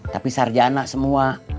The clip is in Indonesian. tapi sarjana semua